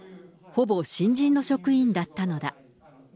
ほぼ新人の職員だったのだ。